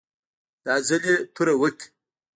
دا ځل یې توره وکړه.